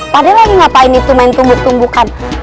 pak d lagi ngapain itu main tumbuk tumbukan